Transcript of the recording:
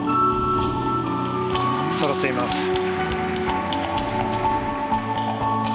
そろっています。